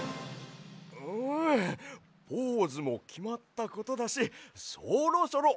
うんポーズもきまったことだしそろそろほんのはなしを。